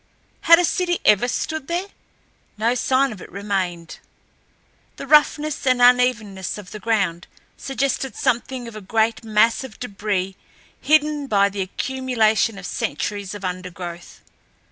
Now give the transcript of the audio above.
Had a city ever stood there, no sign of it remained. The roughness and unevenness of the ground suggested something of a great mass of debris hidden by the accumulation of centuries of undergrowth.